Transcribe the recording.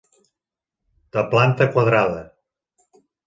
De planta quadrada.